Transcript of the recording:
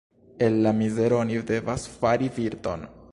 El la mizero oni devas fari virton.